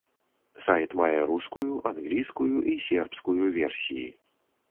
Сайт мае рускую, англійскую і сербскую версіі.